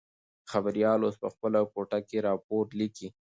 خبریال اوس په خپله کوټه کې راپور لیکي.